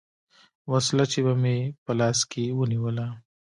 وسله چې به مې په لاس کښې ونېوله.